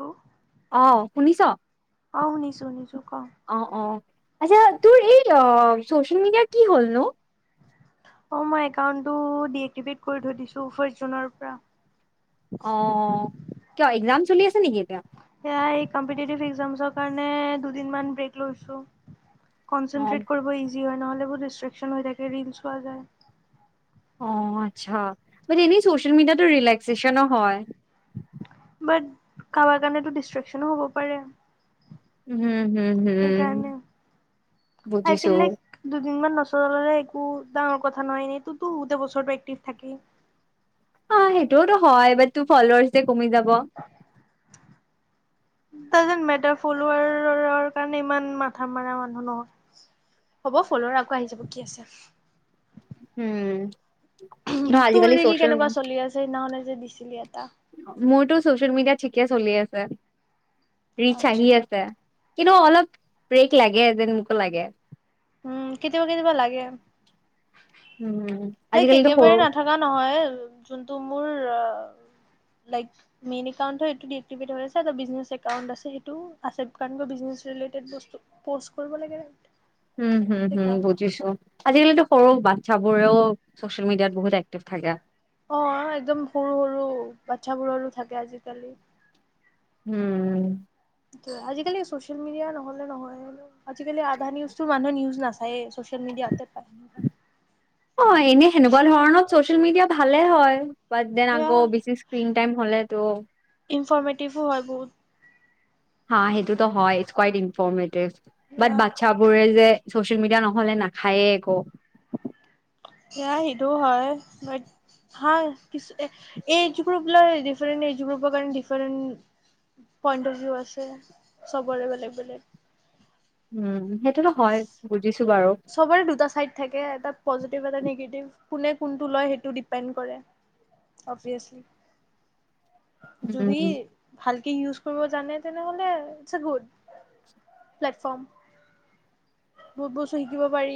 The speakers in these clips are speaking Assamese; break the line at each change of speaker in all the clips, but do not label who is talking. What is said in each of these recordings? হেল্ল'
অ শুনিছ
অঁ শনিছো শনিছো ক
অ আচ্ছা তোৰ এই চচেল মিডিয়া কি হ'ল নো
অ মই একাউটটো দিএক্টিভেট কৰি থৈ দিছো ফাৰ্ষ্ট জুনৰ পৰা
অ কিয এক্সাম তুমি আছা নেকি এতিয়া
প্ৰাই কম্পেটাতিভ এক্সামৰ কাৰণে দুদিন ব্ৰেক লৈছো
অ
কনচেনট্ৰেট কৰিব য হয় নহ'লে বহুত ডষ্ট্ৰকন হৈ থাকে ৰলচ পোৱা যায়
অ আচ্ছা বে এনেই চচিয়েল মিডিয়াটো ৰিলেক্সচনো হয়
বাট কাৰোবাৰ কাৰণেতো ডিষ্ট্ৰেকচনো হ'ব পাৰে
উম হুম উম হম হম
সেইকাৰণে আই
বুজিছো
ফিল লাইক দুদিনমান একো ডাঙৰ কথা নহ নতো গোটেই বছৰটো এক্টিভ থাকে
সেইটো টো হয় বাত ফলৱাছ কমি যাব
ত যেন মে ফুলৰ কাৰণে ইমান মাথা মৰা মানুহ নহয় হ'ব ফুলৱাছ আকৌ আহি যাব কি আছে
উম
তোৰ ৰিল কেনেকুৱা চলি আছে সেইদিনাখনে যে দিছিলি এটা
মোৰতো চচিয়েল মিডিয়াত ঠিকে চলি আছে আহি
আচ্ছা।
আছে কিন্তু অলপ ব্ৰেক লাগে যেন মোকো লাগে
উম কেতিয়াবা কেতিয়াবা লাগে
উম
লাইক
আজিকালিতো
একেবাৰে
সৰু
নাথকা নহয় যোনটো মোৰ লইক মেইন একাউণ্টটো সেইটো দি এক্টিভেটৰ হয় আছে বিষ্ণেছ একাউণ্ট টো আছে
উম হুম হুম
সেইকাৰণে।
বুজিছো আজিকালিতো সৰু বাট চাবোৰেও ছচিয়েল মিডিয়াত বহুত এক্টিভ থাকে
অ একদম সৰু সৰু বাচ্ছাবোৰৰো থাকে আজিকালি
উম
আজিকালি চচিয়েল মিডিয়া নহলে নহয় আজিকালি আধা নিউজ মানুহে নিউজ নাচায় চচিয়েল মিডিয়াতে পায়
অ', এনে সেনেকুৱা ধৰণত চচিয়েল মিডিয়া ভালে হয় ব দিন
সেয়া
আগৌ বেছি স্ক্ৰিন টাইম হলে তো
ইনফৰ্মেটিভো হয় বহুত
হা সেইটোতো হয় ই কোৱাইট ইনফৰ্মেটিভ
এয়া
বাট বাচ্ছা বোৰে যে চচিয়েল মিডিয়া নহলে নাখায়ে একো।
সেয়া সেইটো হয়', ভাল কিু এইজ গ্ৰুপ লৈ ডিফাৰেট এইজ গ্ৰুপৰ কাৰণে ডিফাৰেণ্ট পইণ্ট অফ ভিউ আছে, চবৰে বেলেগ-বেলেগ
উম', সেইটোতো হয়। বুজিছো বাৰু।
চবৰে দুটা চাইড থাকে এটা পজিটিভ, কিবা এটা নিগেটিভ কোনে কোনটো লয় সেইটো ডিপেন্ড কৰে অভিয়চলি। জুবি
উম।
ভাল, কি ইউজ কৰিব জানে তেনেহলে এ', গুড প্লেটফৰ্ম। বহুত বস্ত, শিকিব পাৰি।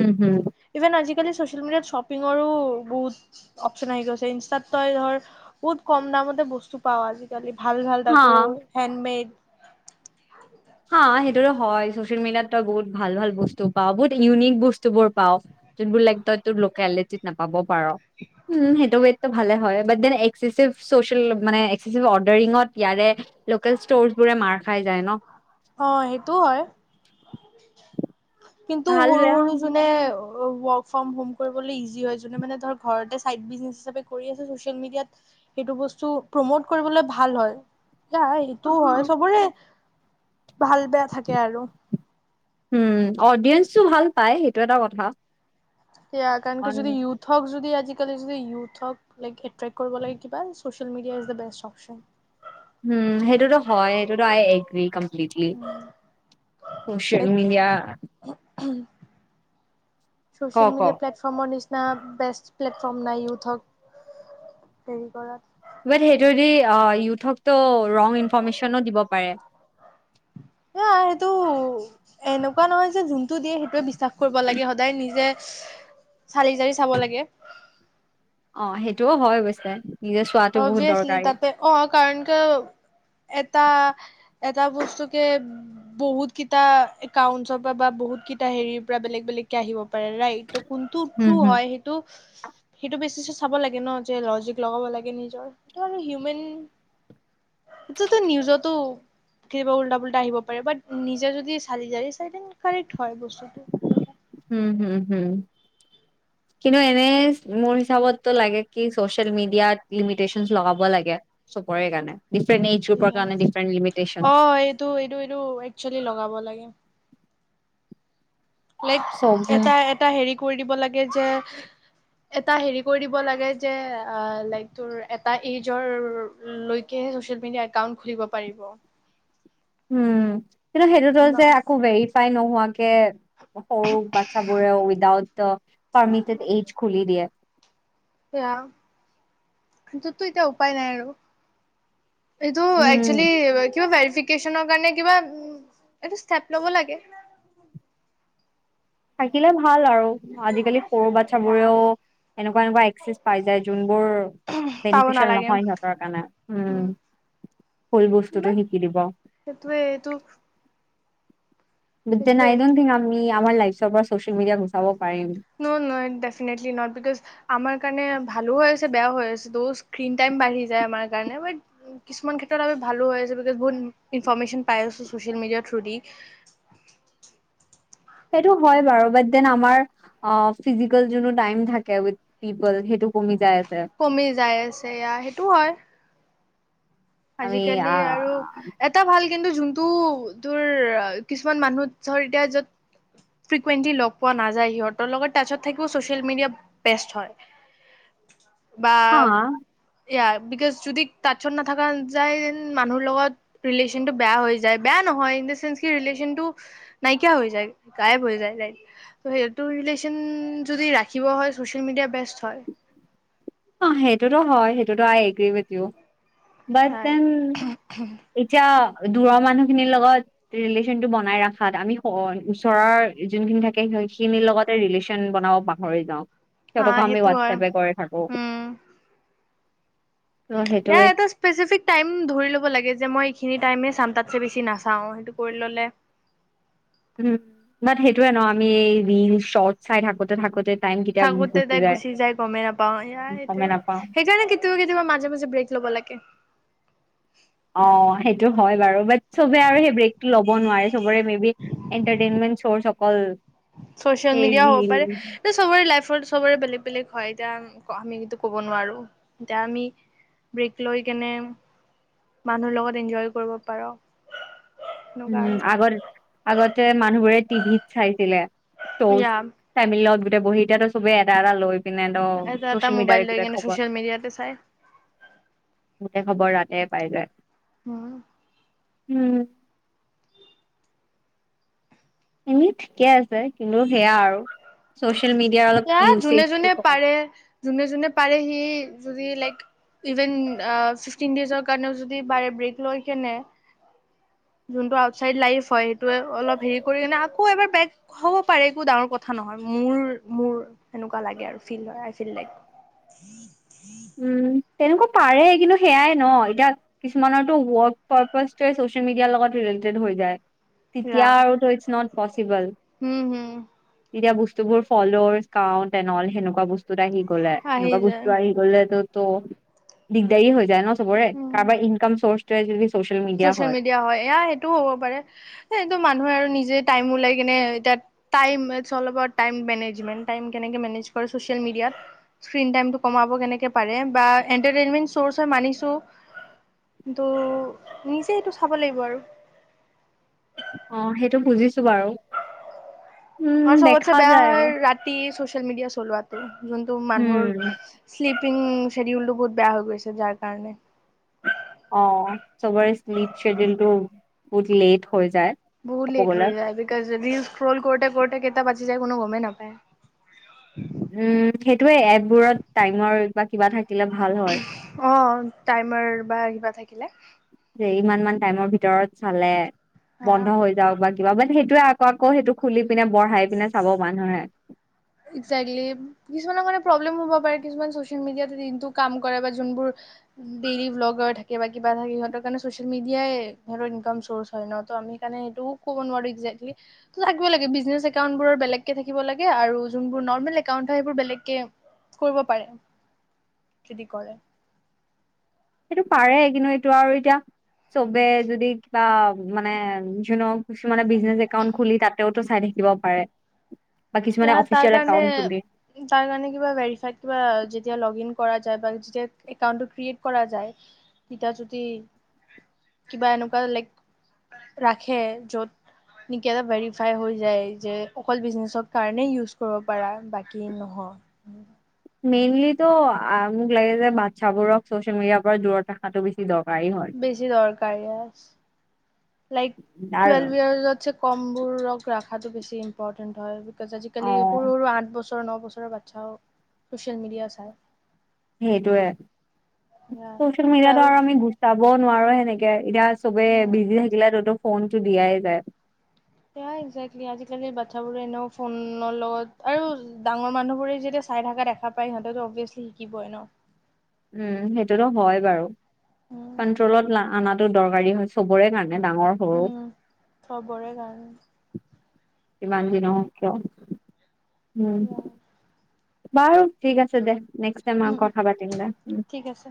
উম', হুম',
ইভেন আজিকালি চচিয়েল মিডিয়াত শ্বিপিংৰো বহুত অপচন আহি গৈছে। ইনষ্টাত তই ধৰ বহুত কম দামতে বস্তু পাওঁ আজিকালি। ভাল-ভাল
হা।
তাকো হেণ্ডমেড,
হ', সেইটোতো হয় চচিয়েল মডিয়াত তই বহুত ভাল-ভাল বস্তু পাওঁ বহুত ইউনিক বস্তুবোৰ পাও, যিবোৰ লাইক তই তোৰ লুকেলিটিত নাপাব পাৰ, হম', হেইটো ৱেট টো ভালে। ডেন এক্সচিছিভ চছিয়েলত মানে এক্সচিচিভ অৰ্দেৰিংত ইয়াৰে লোকেল স্তৰবোৰে মাৰ খাই যায় ন',।
অ', সেইটোও হয়। কিন্তু
ভাল বেয়া
সৰু-সৰু যোনে, ৱৰ্ক-ফৰ্ম-হম কৰিবলে ইজি হয়, মানে ধৰ ঘৰতে চাইড বিজনেছ হিচাপে কৰি আছোঁ চছিয়েল মিডিয়াত হেইটো বস্তু প্ৰমোত কৰিবলে ভাল হয়। সেইটোও হয় চবৰে ভাল-বেয়া থাকে আৰু।
উম', অডিয়েঞ্চটো ভাল পায় সেইটো এটা কথা।
সেয়া কাৰণকে
অন
যদি ইউথহক যদি আজি, আজিকালি যদি ইউথক লাইক এট্ৰেক্ট কৰিব লাগে কিবা social media is- the best option.
হুম', সেইটোতো হয় সেইটোতো I agree, lately social media,
um',
ক
চচিয়েল
ক
-মিডিয়া প্লেটফৰ্মৰ নিচি, বেষ্ট প্লেটফৰ্ম নাই ইউথক হেৰি কৰাত,
বাট সেইটোদি অ', ইউথক, ত', ৰং ইনফৰমেচনো দিব পাৰে।
এয়া সেইটো এনেকুৱা নহয় যে, সেইটোৱে দিয়ে সেইটোৱে বিশ্বাস কৰিব লাগে সদায় নিজে, চালি জাৰি চাব লাগে।
অ', সেইটোও হয় অৱশ্যে। নিজে চোৱাটো বহুত
অবভিয়াছলি
দৰকাৰী।
তাতে অ', কাৰণ কিয়, এটা-এটা বস্তু কে', বহুত কেইটা একাউন্টচৰ পৰা বা বহুত কটা হেৰিৰ পৰা বেলেগ- বেলেগকে আহিব। তাৰেই কোনটো
হম,
ট্ৰ
হম,
হয় সেইটো, সেইটো বেচি চেচিত চাব লাগে ন', যে লজিক লগাব লাগে। নিজৰতু হিউমেন যি তি নিউজতু কিবা উল্টা পুল্টা আহিব পাৰে বাত নিজে যদি চালি জাৰি চাই পাৰিতু। হয় বস্তুটো
হম, হম, হম। কিন্তু এনে মোৰ হিচাপটো লাগে কি চচিয়েল মিডিয়াত লিমিটেচন লগাব লাগে চবৰে কাৰণে ডিফাৰেণ্ট এইজ গ্ৰুপৰ কাৰণে ডিফাৰেণ্ট লিমিটেশচন।
অ এইটো এইটো এইটো একচেলি লগাব লাগে লাইক
চব
এটা এটা হেৰি কৈ দিব লাগে যে এটা হেৰি কৰি দিব লাগে যে লাইকটো এটা এজ্ৰৰ লৈকে ছ'চিয়েল মিডিয়াত একাউণ্ট খুলিব পাৰিব
উম কিন্তু সেইটোত
ন
যে আকৌ ভেৰিত তাই নোহোৱাকে সৰু বাচা বোৰে উইদাউট পাৰ্মিটেড এইজ খুলি দিয়ে
সেয়া কিন্তটো এতিয়া উপায় নাই আৰু এইটো
উম
একচেলি কিবা ভেৰিফিকেচন ভেৰিফিকেচননৰ কাৰণে কিবা এটো ষ্টেপ লব লাগে।
থাকিলে ভাল আৰু আজিকালি সৰু থাকিলে থাকিলে ভাল আৰু আজি কালি সৰু বাচ্ছাবোৰেও এনেকুৱা এনেকুৱা এক্সেচ পাই যায় যোনবোৰ
পাব
বেনিফিচিয়েল
নালাগে
নহয় সিহঁতৰ কাৰণে উম ভুল বস্তুটো
বাট
শিকি দিব
সেইটোৱে এইটো
মেটেন
সেইটোৱে
আই ডন থিংক আমি আমাৰ লাইফ চবৰ ছ'চিয়েল মিডিয়া গুচাব পাৰিম।
ন ন ডেফিনেটলি নট বিকজ আমাৰ কাৰণে ভালো হৈ আছে বেয়া হৈ আছে ত স্ক্ৰীিন টাইম বাঢ়ি যায় আমাৰ কাৰণে বত কিছুমান ক্ষেত্ৰত আমি ভালো হৈ আছে বিকজ বহুত ইনফৰমেশচন পাই আছো ছ'চিয়েল মিডিয়া থ্ৰু দি
সেইটো হয় বাৰু বাদ দেন আমাৰ অ ফিজিকেল যিটো টাইম থাকে উই পিপল সেইটো কমি যায় আছে
কমি যাই আছে ইয়া সেইটো হয়
আমি
আজিকালি
আ
আৰু এটা ভাল কিন্ত যোনটো তোৰ কিছুমান মানুহ ধৰ এতিয়া য'ত ফ্ৰন্টলি লগ পোৱা নাযায় সিহতৰ লগত টাছত থাকিব চচিয়েল মিডিয়া বেষ্ট হয় বা
হা
ইয়াৰ বিকজ যদি টাস্তত নাথাকা যাই যেন মানুহৰ লগত ৰিলেচনটো বেয়া হৈ যায় বেয়া নহয় নাইকিয়া হৈ যায় গাইপ হৈ যায় সেইটো ৰিলেচন যদি ৰাখিব হয় ছ'চিয়েল মিডিয়া বেষ্ট হয়
অ সেইটোতো হয় সেইটোতো আই এগ্ৰি উইথ ইউ বাত
হয়
দেন এতিয়া দূৰৰ মানুহখিনিৰ লগত ৰিলেশ্বনটো বনাই ৰখাত আমি ওচৰৰ যোনখিনি থাকে সেইখিনিৰ লগতে ৰিলেশ্বনটো বনাব পাহৰি যাওঁ
হা
সেইটো কাৰণে আমি
হয়
হোৱাটছএপে কৰি থাকো
উম
ত'
ইয়াৰ
সেইটোৱে
এটা ইছেফিক টাইম ধৰি ল'ব লাগে যে মই এইখিনি টাইমে চাম তাতকে বেছি নাচাও সেইটো কৰি ললে
উম বাত সেইটোয়ে ন আমি ৰিল শৰ্ট চাই থাকোঁতে থাকোঁতে
থাকোঁ‌তে টাইম গুচি যাই গমেই নাপাওঁ। এইয়া
গমে
এইটোয়ে
নাপাও
সেইকাৰণে কেতিয়াবা কেতিয়াবা মাজে মাজে ব্ৰেক ল'ব লাগে।
অ' সেইটো হয় বাৰু বাট সবে আৰু সেই ব্ৰেকটো ল'ব নোৱাৰে চবৰে মে এটাৰেইনমেট অকল
চচিয়েল
সেই
মিডিয়া হ'ব
ৰিল
পাৰে। চবৰে লাইফত চবৰে বেলেগ বেলেগ। হয় এতিয়া আমি কিন্তু ক'ব নোৱাৰোঁ। এতিয়া আমি ব্ৰেক লৈ কেনে মানুহৰ লগত এনজয় কৰিব পাৰোঁ।
উম আগৰ আগতে মানুহবোৰে টিভিত চাইছিলে। তৌচ
ইয়া
[inaudible] লগত গোটেই বহীতাতো চবে এটা এটা লৈ পিনে ত
এটা এটা
চচিয়েল মিডিয়াৰে
মোবাইল লৈ
গোটেই
কিনে
খবৰ
চোচিয়েল মিডিয়াতে চাই।
তাতে খবৰ তাতে পাই যায়।
হম।
উম এনে ঠিকে আছে কিন্তু সেয়া আৰু মিডিয়াৰ অলপ
এ যোনে
ইউছেজটো
যোনে
কম
পাৰে যোনে যোনে পাৰেহি যদি লাইক ইভেন ফিফটিন ডেজৰ কাৰণেও যদি বাৰে ব্ৰেক লৈ কেনে। যোনটো আউটচাইড লাইফ হয়। সেইটোৱে অলপ হেৰি কৰি কিনে আকৌ এবাৰ বেক হ'ব পাৰে একো ডাঙৰ কথা নহয়। মোৰ মোৰ এনেকুৱা লাগে আৰু ফ হয় ফ
উম তেনেকুৱা পাৰে কিন্তু সেয়াই ন এতিয়া কিছুমানৰো ৱৰ্ক পাৰে চচিয়েল মিডিয়াৰ লগত ৰিলেটেড হৈ যায়। তেতিয়া আৰু ধৰিচ ন পচিবল
হুম হুম।
তেতিয়া বস্তুবোৰ ফলৰকাটেনল সেনেকুৱা বস্তুত আহি। লে [inaudible]
আহি
এনেকুৱা
যায়
বস্তু আহি বো দিগদাৰী হৈ যায় ন।
উম
কাৰবাৰ ইনকম চৰ্চ। [unintelligible]
চচিয়েল মিডিয়া হয় এয়া সেইটোও হ'ব পাৰে এইটো মানুহে আৰু নিজে। টাইমলাই কিনেেচিয় মিডিয়াত স্ কমাব কেনেক পাৰে বা এটাৰ চ মানিছো। নিজে এইটো চাব লাগিব আৰু।
অ' সেইটো বুজিছো বাৰু।
আৰু
উম,
সবত
দেখা
বেয়া
যায় আৰু
হয় ৰাতি শো চুছেলমিডিয়া পেলোৱা টু যোনটু
উম,
মানুহৰ চেৰিউলটো বহুত বেয়া হৈ গৈছে যাৰ কাৰণে।
অ' চবৰে্লিপ শেডউলটো বহুত লেট। হৈ যায়
বহুত
ক'ব
লেট
গ'লে।
হৈ যায় বিকজ যদি ফোন কৰতে কৰতে কেইটা বাজি যায় কোনো গমেই নাপায়।
উম ক্ষতি সেইটোৱে এপবোৰত টাইমৰ বা কিবা থাকিলে ভাল হয়।
থিলে
এ ইমান মান টাইমৰ ভিতৰত চালে
হা
বন্ধ হৈ যাও বা কিবা মানে সেইটো ত আকৌ কৌ সেইটো খুলি পিনে বঢ়াই পিনে চাব মানুহে
এজেক্টলি কিছুমানৰ কাৰনে প্ৰব্লেমও হব পাৰে। কিছুমান চচিয়েল মিডিয়াত দিনটো কাম কৰে বা যোনবোৰ দেইলী ব্লগাৰ থাকে বা কিবা থাকে সিহঁতৰ কাৰণে চচিয়েল মিডিয়াই ঘৰৰ ইনকাম চৌৰ্চ হয় ন, ত আমি সেইকাৰণে সেইটোও ক'ব নোৱাৰি এজেক্ট্ৰলি লাগ ব লাগে বিজনেছ একাউণ্টবোৰৰ বেলেগকে থাকিব লাগে আৰু যোনবোৰ নৰ্মেল একাউন্ট হয় সেইবোৰ বেলেগকে কৰিব পাৰে খেতি কৰে
সেইটো পাৰে কিন্তু এইটো আৰু এতিয়া চবে যদি কিবা মানে য কিছুমানে বিজনেচ একাউণ্ট খুলি তাতেওটো চাই থাকিব পাৰে বা কিছুমানে
ইয়াৰ তাৰ
অফিচিয়েল
কাৰণে
একাউন্ট খুলি
তাৰ কাৰণে কিবা ভেৰিফাই কিবা যেতিয়া লগ ইন কৰা যাই বা ষ্টেড একাউণ্টটো ক্ৰীয়েড কৰা যায় তেতিয়া যদি কিবা এনেকোৱা লাইক ৰাখে য'ত নেকি এটা ভেৰিফাই হৈ যায় যে অকল বিজনেছ কাৰণেই ইউজ কৰিব পাৰা বাকী নহয়
মেইনলিতো আ মোক লাগে যে বাচ্ছাবোৰক চ'চিয়েল মিডিয়াৰ পৰা দূৰত ৰখাটো বেছি দৰকা
বেছি দৰকাৰ ইয়াৰ লাইক
আৰু
টুৱেলভ ইয়াৰ লৈ কমবোৰক ৰখাটো বেছি ইম্পৰ্টেণ্ট হয় আজি কালি
অ'
সৰু সৰু আঠ বছৰ আঠ বছৰ ন বছৰৰ বাচ্ছাও ছ'চিয়েল মিডিয়া চায়
সেইটোয়ে চচিয়েল মিডিয়াতো
টুৱেলভ
আৰু আমি গুৰুত্ব ক নোৱাৰো সেনেকে এতিয়া চবে বিজি থাকিলে ততো ফোনটো দিয়াই যায়
সেয়াই এজেক্টলি আজি কালি বাচ্ছাবোৰে এনেও ফোনৰ লগত আৰু ডাঙৰ মানুহবোৰে যেতিয়া চাই থকা দেখা পায় সিহঁতেতো অবিয়েচলি শিকিব ন
উম সেইটোতো হয় বাৰু
উম
কণ্ট্ৰলত লা আনাত টো দৰকাৰী হয় চবৰে কাৰণে ডাঙৰ সৰু
উম চবৰে বাৰু
যিমান যি নহওক কিয় উম
সেয়াই
বাৰু ঠিক আছে দে নেক্স টাইম আ
উম,
কথা পাতিম দে উ
ঠিক আছে।